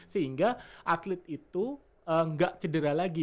sehingga atlet itu nggak cedera lagi